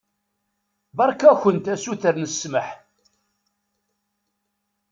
Beṛka-kent asuter n ssmaḥ.